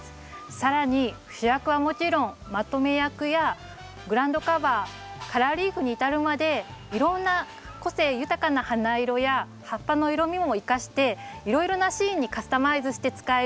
更に主役はもちろんまとめ役やグラウンドカバーカラーリーフに至るまでいろんな個性豊かな花色や葉っぱの色味も生かしていろいろなシーンにカスタマイズして使える。